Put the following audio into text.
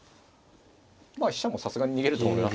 まあ飛車もさすがに逃げると思いますけどね。